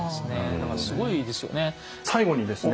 だからすごいですよね。